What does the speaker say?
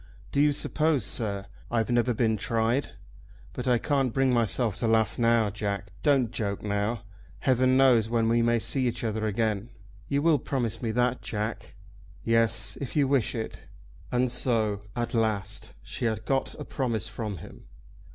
"Do you suppose, sir, I've never been tried? But I can't bring myself to laugh now, Jack. Don't joke now. Heaven knows when we may see each other again. You will promise me that, Jack?" "Yes; if you wish it." And so at last she had got a promise from him!